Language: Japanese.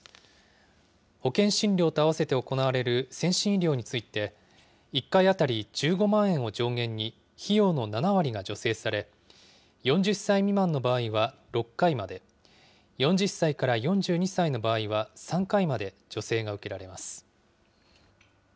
保険診療とあわせて行われる先進医療について、１回当たり１５万円を上限に費用の７割が助成され、４０歳未満の場合は６回まで、４０歳から４２歳の場合は３回まで助成が受けられます。